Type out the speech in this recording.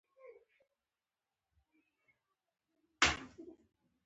ورزش کول بدن ته طاقت ورکوي.